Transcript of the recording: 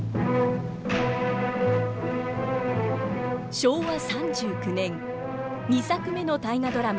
昭和３９年２作目の大河ドラマ